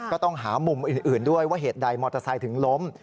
ก็ต้องหามุมอื่นด้วยว่าเหตุใดมอเตอร์ไซค์ถึงล้ม